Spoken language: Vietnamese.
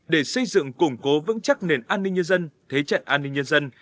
để xây dựng củng cố vững chắc nền an ninh nhân dân thế trận an ninh nhân dân